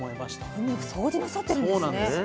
海を掃除なさってるんですね。